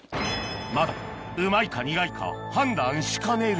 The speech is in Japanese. まだうまいか苦いか判断しかねる